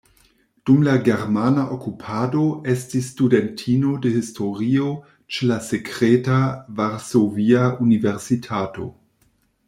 Dum la germana okupado estis studentino de historio ĉe la sekreta Varsovia Universitato.